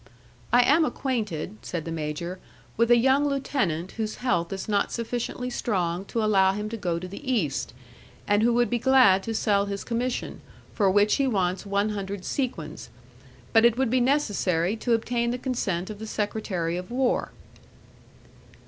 "I am acquainted," said the major, "with a young lieutenant whose health is not sufficiently strong to allow him to go to the East, and who would be glad to sell his commission, for which he wants one hundred sequins. But it would be necessary to obtain the consent of the secretary of war."